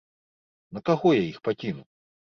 На каго я іх пакіну?